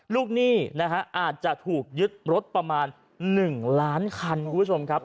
หนี้นะฮะอาจจะถูกยึดรถประมาณ๑ล้านคันคุณผู้ชมครับ